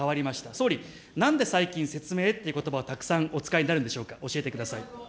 総理、なんで最近説明ってことばをたくさんお使いになるんでしょうか、教えてください。